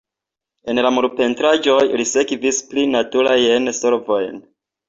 En la murpentraĵoj, li sekvis pli naturajn solvojn.